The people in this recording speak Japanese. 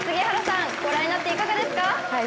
ご覧になっていかがですか？